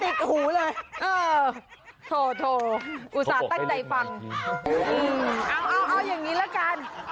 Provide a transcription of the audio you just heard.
เอาอย่างนี้แล้วกัน